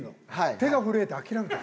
手が震えて諦めた。